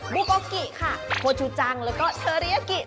บุกกี้โฮจูจังแล้วก็เทอรี่ยากิ